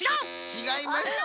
ちがいます。